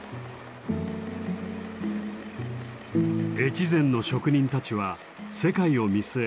越前の職人たちは世界を見据え